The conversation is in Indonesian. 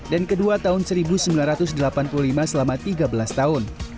dan kedua tahun seribu sembilan ratus delapan puluh lima selama tiga belas tahun